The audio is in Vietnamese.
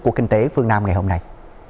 của kinh tế phương nam ngày hôm nay